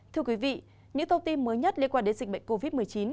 thưa quý vị những thông tin mới nhất liên quan đến dịch bệnh covid một mươi chín